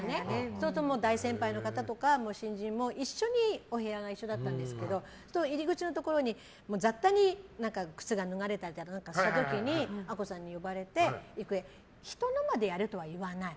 そうすると大先輩の方とか新人もお部屋が一緒だったんですけどそうすると入り口のところに雑多に靴が並んでたりする時にアッコさんに呼ばれて郁恵、人のまでやれとは言わない。